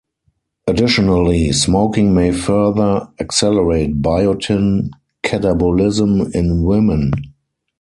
Additionally, smoking may further accelerate biotin catabolism in women.